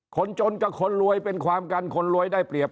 คนจนกับคนรวยเป็นความกันคนรวยได้เปรียบ